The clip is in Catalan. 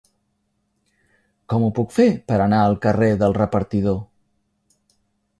Com ho puc fer per anar al carrer del Repartidor?